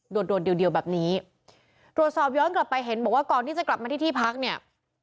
โดดเดียวเดียวแบบนี้ตรวจสอบย้อนกลับไปเห็นบอกว่าก่อนที่จะกลับมาที่ที่พักเนี่ย